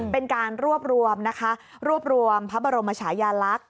เป็นการรวบรวมนะคะรวบรวมพระบรมชายาลักษณ์